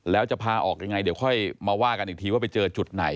แล้วจะพาออกยังไงเดี๋ยวค่อยมาว่ากันอีกทีว่าไปเจอจุดไหน